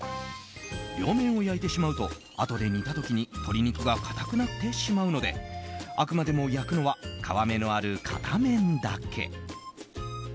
両面を焼いてしまうとあとで煮た時に鶏肉が硬くなってしまうのであくまでも焼くのは皮目のある片面だけ。